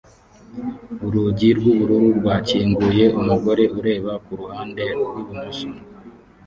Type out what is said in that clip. Urugi rwubururu rwakinguye umugore ureba kuruhande rwibumoso